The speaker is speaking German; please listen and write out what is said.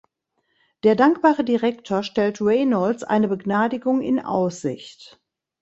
Der dankbare Direktor stellt Reynolds eine Begnadigung in Aussicht.